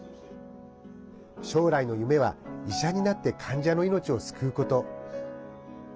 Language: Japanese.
将来の夢は、医者になって患者の命を救うこと。